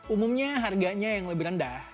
umumnya harganya yang lebih rendah